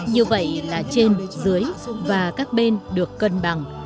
như vậy là trên dưới và các bên được cân bằng